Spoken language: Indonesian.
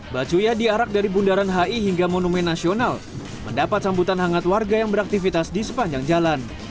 bacuya diarak dari bundaran hi hingga monumen nasional mendapat sambutan hangat warga yang beraktivitas di sepanjang jalan